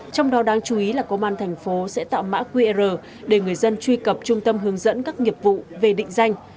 trong đó đáng chú ý là công an thành phố sẽ tạo mã qr để người dân truy cập trung tâm hướng dẫn các nghiệp vụ về định danh